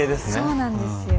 そうなんですよ。